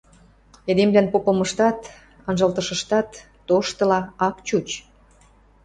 Эдемвлӓн попымыштат, анжалтышыштат тоштыла ак чуч.